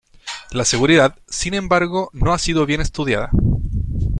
La seguridad, sin embargo, no ha sido bien estudiada.